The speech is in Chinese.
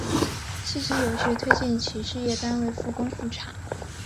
积极有序推进企事业单位复工复产